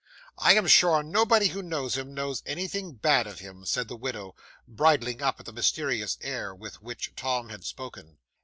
'"I am sure nobody who knows him, knows anything bad of him," said the widow, bridling up at the mysterious air with which Tom had spoken.